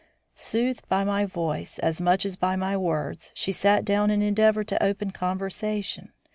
Soothed by my voice as much as by my words, she sat down and endeavoured to open conversation.